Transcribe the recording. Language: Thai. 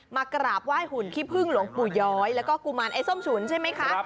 กราบไหว้หุ่นขี้พึ่งหลวงปู่ย้อยแล้วก็กุมารไอ้ส้มฉุนใช่ไหมคะ